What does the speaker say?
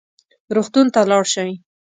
روغتون ته لاړ شئ